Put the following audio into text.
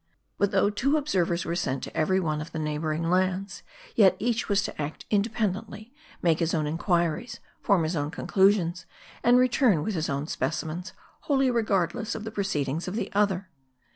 But though two observers were sent to every one of the M A R D T. 289 neighboring lands ; yet each was to act independently \ make his own inquiries ; form his own conclusions ; and return with his own specimens ; wholly regardless of the proceed ings of the other.